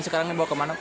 cuma ya tidak terlupa